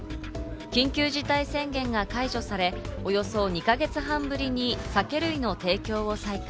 緊急事態宣言が解除され、およそ２か月半ぶりに酒類の提供を再開。